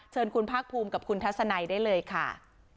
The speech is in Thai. เชิญคุณภาคภูมิกับคุณทัศนัยได้เลยค่ะ